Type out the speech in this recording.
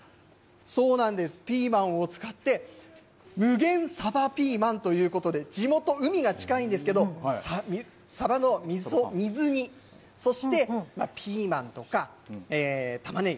そうなんです、ピーマンを使って無限さばピーマンということで地元、海が近いんですけどさばの水煮、そしてピーマンとかたまねぎ